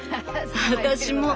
私も。